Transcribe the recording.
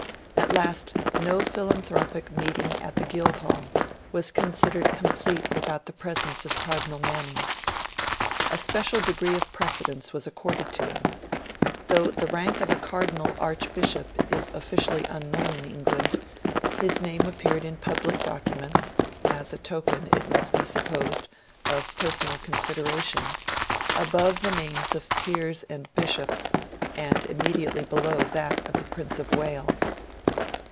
At last, no philanthropic meeting at the Guildhall was considered complete without the presence of Cardinal Manning. A special degree of precedence was accorded to him. Though the rank of a Cardinal Archbishop is officially unknown in England, his name appeared in public documents as a token, it must be supposed, of personal consideration above the names of peers and bishops, and immediately below that of the Prince of Wales.